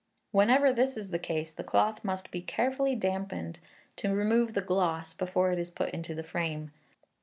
Whenever this is the case, the cloth must be carefully damped, to remove the gloss, before it is put into the frame.